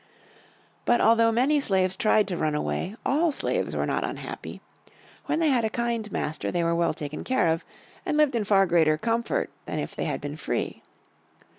But although many slaves tried to run away, all slaves were not unhappy. When they had a kind master they were well taken care of, and lived in far greater comfort that if they had been free.